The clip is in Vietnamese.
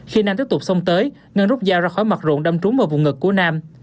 khi nam tiếp tục xông tới ngân rút dao ra khỏi mặt ruộng đâm trúng vào vùng ngực của nam